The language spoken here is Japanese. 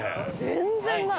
全然ない！